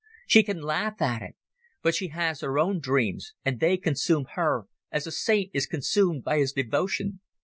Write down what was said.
She can laugh at it. But she has her own dreams, and they consume her as a saint is consumed by his devotion.